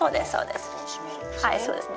はいそうですね。